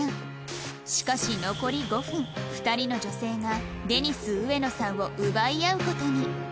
しかし残り５分２人の女性がデニス植野さんを奪い合う事に